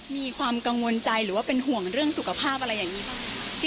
มีความกังวลใจหรือว่าเป็นห่วงเรื่องสุขภาพอะไรอย่างนี้บ้าง